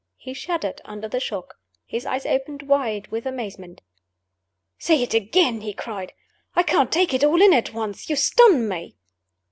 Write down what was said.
He shuddered under the shock. His eyes opened wide with amazement. "Say it again!" he cried. "I can't take it all in at once. You stun me."